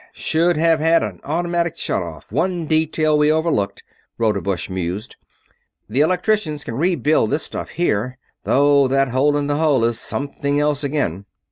"Hm ... m ... m. Should have had an automatic shut off one detail we overlooked," Rodebush mused. "The electricians can rebuild this stuff here, though that hole in the hull is something else again."